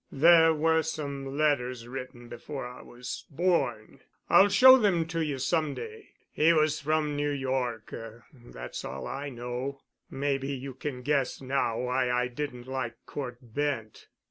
"There were some letters written before I was born. I'll show them to you some day. He was from New York, that's all I know. Maybe you can guess now why I didn't like Cort Bent."